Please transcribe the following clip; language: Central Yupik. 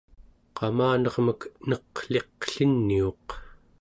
qamanermek neq'liqliniuq